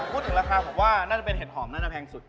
พูดถึงราคาพรู้ว่าน่าจะเป็นเห็ดหอมแพงสุด